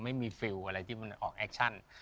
ไม่มีฟิลล์อะไรที่มันออกแอคชั่น